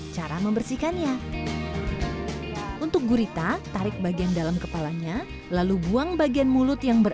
cara membersihkannya untuk gurita tarik bagian dalam kepalanya lalu buang bagian mulut yang ber